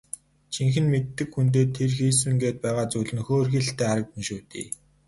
Жинхэнэ мэддэг хүндээ тэр хийсэн гээд байгаа зүйл нь хөөрхийлөлтэй л харагдана шүү дээ.